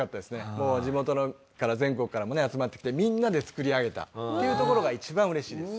もう地元から全国からもね集まってきてみんなで作り上げたっていうところが一番嬉しいです。